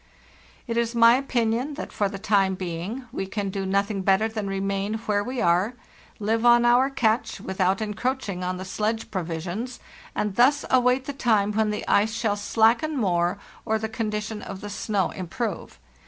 "Tt is my opinion that for the time being we can do nothing better than remain where we are, live on our catch, without encroaching on the sledge provisions, and thus await the time when the ice shall slacken more or the condition of the snow improve.